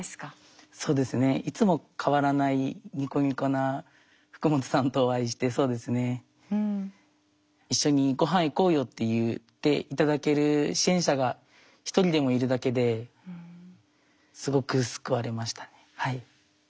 そうですねいつも変わらないニコニコな福本さんとお会いしてそうですね「一緒にごはん行こうよ」って言って頂ける支援者が一人でもいるだけですごく救われましたね。